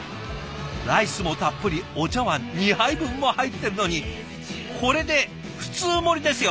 ライスもたっぷりお茶わん２杯分も入ってるのにこれで普通盛りですよ？